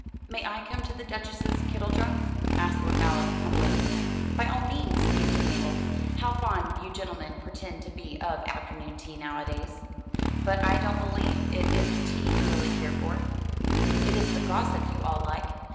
"May I come to the Duchess's kettledrum?' asked Lord Mallow humbly. "By all means," answered Mabel. "How fond you gentlemen pretend to be of afternoon tea, nowadays. But I don't believe it is the tea you really care for. It is the gossip you all like.